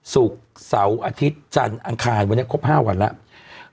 ศุกร์เสาร์อาทิตย์จันทร์อังคารวันนี้ครบ๕วันแล้ว